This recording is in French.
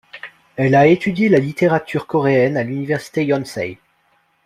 Elle a étudié la littérature coréenne à l'université Yonsei.